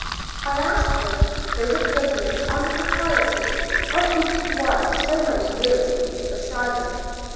I asked him his opinion on the propriety of keeping one so many years in the asylum.